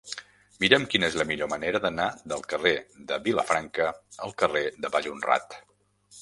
Mira'm quina és la millor manera d'anar del carrer de Vilafranca al carrer de Vallhonrat.